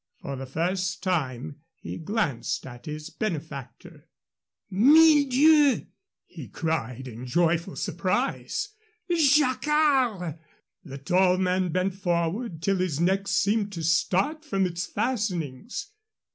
For the first time he glanced at his benefactor. "Mille Dieux!" he cried, in joyful surprise. "Jacquard!" The tall man bent forward till his neck seemed to start from its fastenings.